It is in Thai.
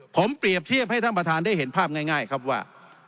ผมเปรียบเทียบให้ท่านประธานได้เห็นภาพง่ายครับว่า